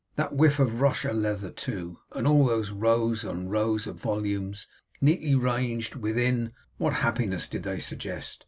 That whiff of russia leather, too, and all those rows on rows of volumes neatly ranged within what happiness did they suggest!